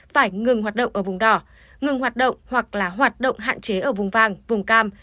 phải ngừng hoạt động ở vùng đỏ ngừng hoạt động hoặc là hoạt động hạn chế ở vùng vàng vùng cam